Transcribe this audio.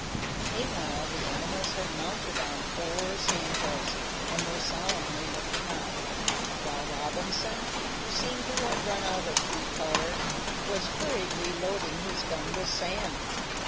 Meanwhile the animals had mounted on four sand hills, and were solemnly looking on, while Robinson, who seemed to have run out of tooth powder, was hurriedly loading his gun with sand.